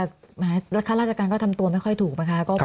ข้าราชการก็ทำตัวไม่ค่อยถูกไหมคะ